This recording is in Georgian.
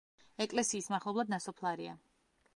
ეკლესიის მახლობლად ნასოფლარია.